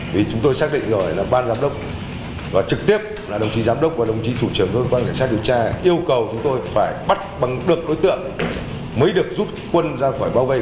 vì chúng tôi xác định rồi là ban giám đốc và trực tiếp là đồng chí giám đốc và đồng chí thủ trưởng cơ quan cảnh sát điều tra yêu cầu chúng tôi phải bắt bằng được đối tượng mới được rút quân ra khỏi bao vây